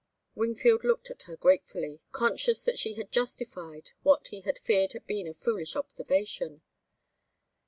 Wingfield looked at her gratefully, conscious that she had justified what he had feared had been a foolish observation.